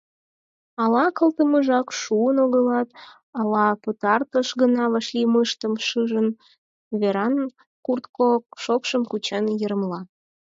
Ала колтымыжак шуын огылат, ала пытартыш гана вашлиймыштым шижын, Веран куртко шокшшым кучен йырымла: